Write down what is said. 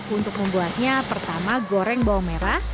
untuk membuatnya pertama goreng bawang merah